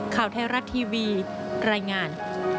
ข่าวไทยรัฐทีวีรายงาน